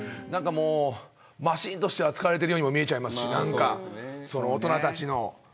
何か、もうマシーンとして扱われてるようにも見えちゃいますし、大人たちの。